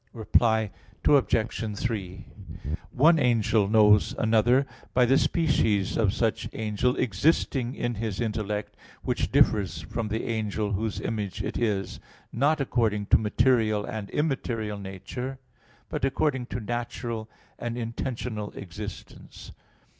Reply Obj. 3: One angel knows another by the species of such angel existing in his intellect, which differs from the angel whose image it is, not according to material and immaterial nature, but according to natural and intentional existence.